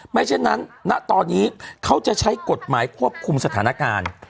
เช่นนั้นณตอนนี้เขาจะใช้กฎหมายควบคุมสถานการณ์